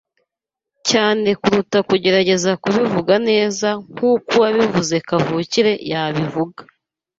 cyane kuruta kugerageza kubivuga neza nkuko uwabivuze kavukire yabivuga.